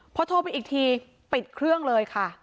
พอโทรไปอีกทีปิดเครื่องเลยค่ะ